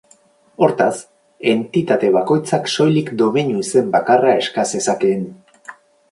Hortaz, entitate bakoitzak soilik domeinu-izen bakarra eska zezakeen.